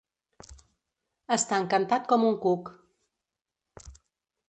Estar encantat com un cuc.